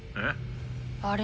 あれ。